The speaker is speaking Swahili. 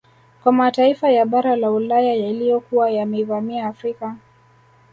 Kwa mataifa ya bara la Ulaya yaliyokuwa yameivamia Afrika